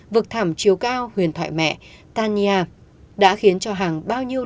vực thảm chiều cao huyền thoại mẹ tanya đã khiến cho hàng bao nhiêu lưu